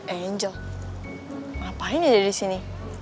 angel ngapain dia disini